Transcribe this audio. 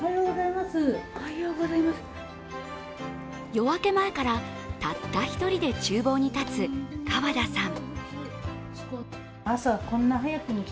夜明け前からたった一人でちゅう房に立つ川田さん。